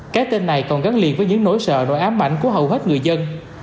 cái tên này còn gắn liền với những nỗi sợ nỗi ám ảnh của hầu hết người dân